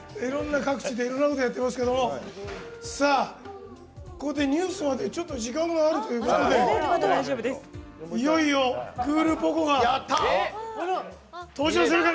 各地でいろんなことをやってますけどここでニュースまで時間があるということでいよいよ、クールポコ。が登場するかな？